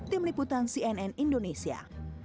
tim liputan cnn indonesia